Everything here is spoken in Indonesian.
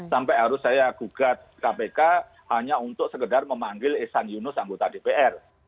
sampai harus saya gugat kpk hanya untuk sekedar memanggil esan yunus anggota dpr